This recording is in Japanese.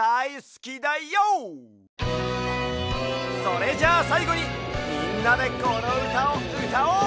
それじゃさいごにみんなでこのうたをうたおう！